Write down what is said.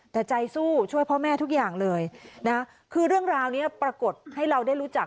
แต่ใจสู้ช่วยพ่อแม่ทุกอย่างเลยนะคือเรื่องราวนี้ปรากฏให้เราได้รู้จัก